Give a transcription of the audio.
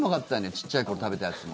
ちっちゃい頃食べたやつも。